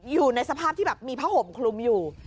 อยู่ในสภาพที่แบบมีผ้าห่มคลุมอยู่